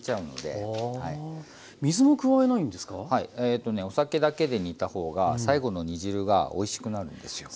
えっとねお酒だけで煮た方が最後の煮汁がおいしくなるんですよ。